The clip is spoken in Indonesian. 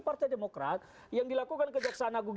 partai demokrat yang dilakukan kejaksaan agung